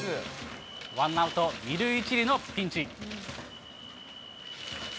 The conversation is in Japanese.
ワンアウト２塁１塁のピンチ。